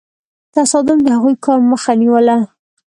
تصادم د هغوی کار مخه نیوله.